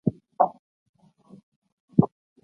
ازادي راډیو د سیاست پر وړاندې د حل لارې وړاندې کړي.